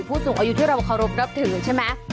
ผู้สูงอายุที่เราเคารพนับถือใช่ไหม